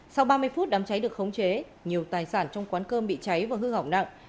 sau ba mươi phút đám cháy được khống chế nhiều tài sản trong quán cơm bị cháy và hư hỏng nặng